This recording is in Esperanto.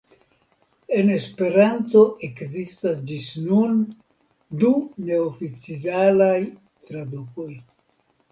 En Esperanto ekzistas ĝis nun du neoficialaj tradukoj.